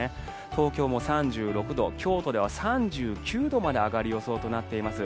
東京も３６度京都では３９度まで上がる予想となっています。